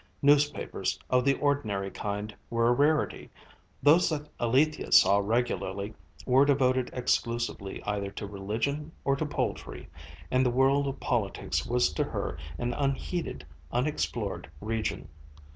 Newspapers of the ordinary kind were a rarity; those that Alethia saw regularly were devoted exclusively either to religion or to poultry, and the world of politics was to her an unheeded unexplored region.